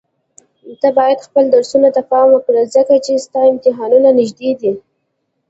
ته بايد خپل درسونو ته پام وکړي ځکه چي ستا امتحانونه نيږدي دي.